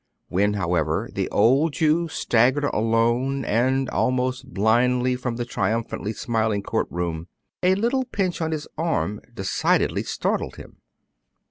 When, however, the old Jew staggered alone and almost blindly from the triumphantly smiling court room, a little pinch on his arm decidedly startled him.